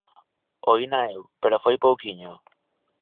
Oína eu, pero foi pouquiño.